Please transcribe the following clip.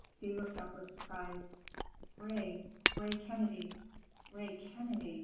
Thea looked up with surprise. "Ray, Ray Kennedy." "Ray Kennedy!"